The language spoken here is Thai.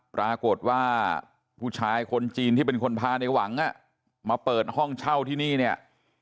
ปรากฏว่าผู้ชายคนจีนที่เป็นคนพาในหวังมาเปิดห้องเช่าที่นี่เนี่ย